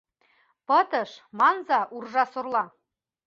Пытыш, манза, Ужарсола!